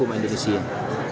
saya ingin jika sudah